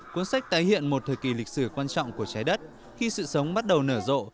cuốn sách tái hiện một thời kỳ lịch sử quan trọng của trái đất khi sự sống bắt đầu nở rộ